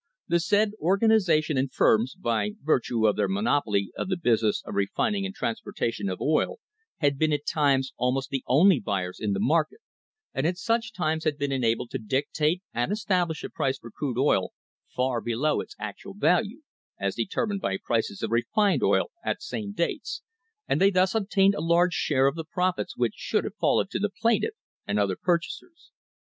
The said organisation and firms, by virtue of their monopoly of the business of refining and transportation of oil, had been at times almost the only buyers in the market, and at such times had been enabled to dictate and establish a price for crude oil far below its actual value, as determined by prices of refined oil at same dates, and they thus obtained a large share of the profits which should have fallen to the plaintiff's and other purchasers.